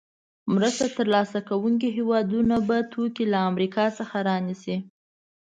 مرسته تر لاسه کوونکې هېوادونه به توکي له امریکا څخه رانیسي.